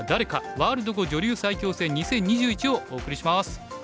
ワールド碁女流最強戦２０２１」をお送りします。